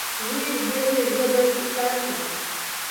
زوی یې په بیړه وویل چې زه باید اوس لاړ شم.